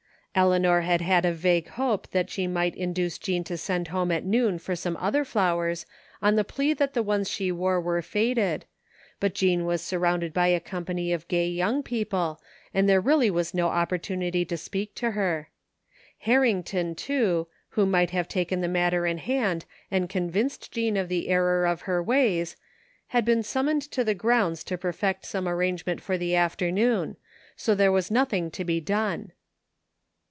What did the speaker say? Eleanor had had a vague hope that she might in duce Jean to send home at noon for some other flowers on the plea that the ones she wore were faded, but Jean was surrounded by a company of gay young people and there really was no opportunity to speak to her. Harrington, too, who might have taken the matter in hand and convinced Jean of the error of her ways, had been summoned to the grounds to perfect some arrangement for the afternoon, so there was nothing to be done.